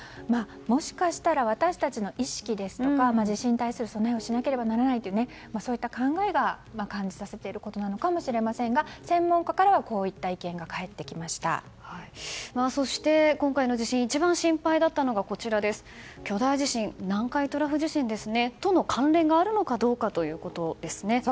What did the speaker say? もしかしたら私たちの意識ですとか地震に対する備えをしなければならないというそういった考えが感じさせていることかもしれませんが専門家からはそして今回の地震一番心配だったのが巨大地震、南海トラフ地震との関連があるのかどうかですね。